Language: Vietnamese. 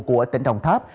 của tỉnh đồng tháp